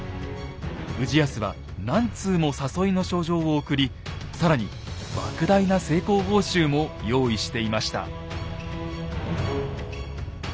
氏康は何通も誘いの書状を送り更に莫大な成功報酬も用意していました。